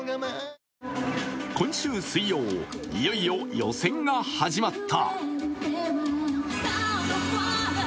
今週水曜、いよいよ予選が始まった。